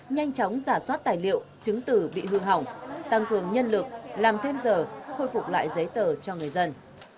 nhanh chóng giả soát tài liệu chứng tử bị hư hỏng tăng cường nhân lực làm thêm giờ khôi phục lại giấy tờ cho người dân